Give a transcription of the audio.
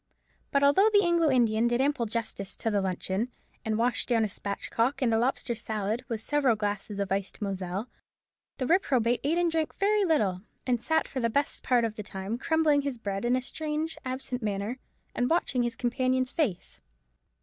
But although the Anglo Indian did ample justice to the luncheon, and washed down a spatchcock and a lobster salad with several glasses of iced Moselle, the reprobate ate and drank very little, and sat for the best part of the time crumbling his bread in a strange absent manner, and watching his companion's face.